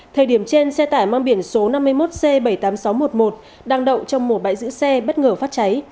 thời điểm trên xe tải mang biển số năm mươi một c bảy mươi tám nghìn sáu trăm một mươi một đang đậu trong một bãi giữ xe bất ngờ phát cháy